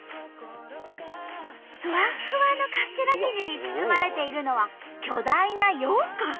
ふわっふわのカステラ生地に包まれているのは巨大なようかん！